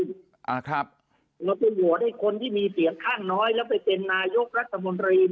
เราเป็นโหวตให้คนที่มีเสียงข้างน้อยแล้วไปเป็นนายกรัฐมนตรี